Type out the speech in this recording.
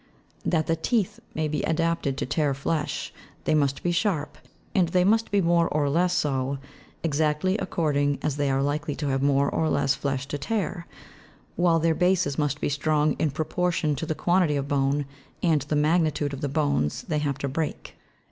" That the teeth may be adapted to tear flesh, they must be sharp ; and they must be more or less so, exactly according as they are likely to have more or less flesh to tear, while their bases must be strong in proportion to the quantity of bone, and the magnitude of the bones they have to break.